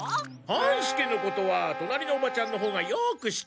半助のことは隣のおばちゃんのほうがよく知ってるから。